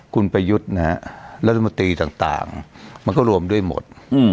คุณประยุทธนะคะระดับมตรีต่างมันคือรวมด้วยหมด